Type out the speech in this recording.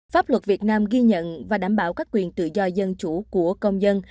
pháp luật việt nam ghi nhận và đảm bảo các quyền tự do dân chủ của công dân